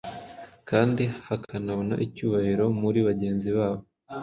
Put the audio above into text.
kandi bakanabona icyubahiro muri bagenzi babo.